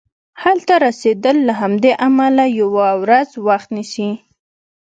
هلته رسیدل له همدې امله یوه ورځ وخت نیسي.